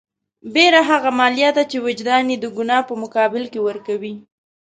بېره هغه مالیه ده چې وجدان یې د ګناه په مقابل کې ورکوي.